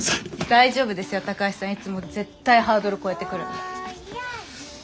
大丈夫ですよ高橋さんいつも絶対ハードル超えてくるんだから。